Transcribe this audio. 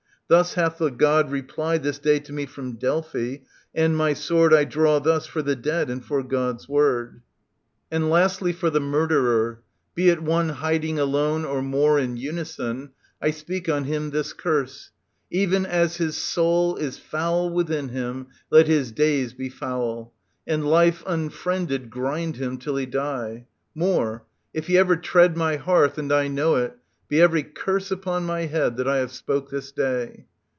Thus hath the God replied This day to me from Delphi, and my sword I draw thus for the dead and for God's word. 14 TT. 246 273 OEDIPUS, KING OF THEBES And lastly for the murderer, be it one Hiding alone or more in unison, I speak on him this curse : even as his soui Is foul within him let his days be foul, And life unfriended grind him till he die. More : if he ever tread my hearth and I Know it, be every curse upon my head That I have spoke this day.